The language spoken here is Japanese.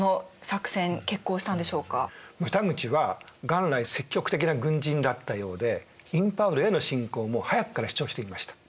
牟田口は元来積極的な軍人だったようでインパールへの侵攻も早くから主張していました。